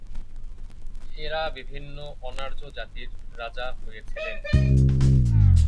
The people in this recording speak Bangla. এঁরা বিভিন্ন অনার্য জাতির রাজা হয়েছিলেন।